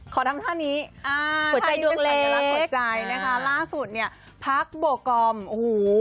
ทำท่านี้อ่าหัวใจนี้เป็นสัญลักษณ์หัวใจนะคะล่าสุดเนี่ยพักโบกอมโอ้โห